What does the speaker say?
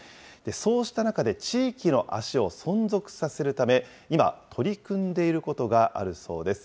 そうした中で地域の足を存続させるため、今、取り組んでいることがあるそうです。